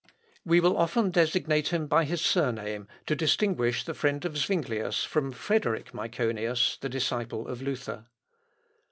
We will often designate him by his surname, to distinguish the friend of Zuinglius from Frederick Myconius, the disciple of Luther.